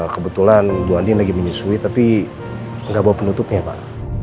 kebetulan tuhan dian lagi menyusui tapi gak bawa penutupnya pak